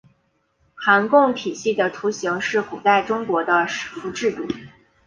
朝贡体系的雏形是古代中国的畿服制度。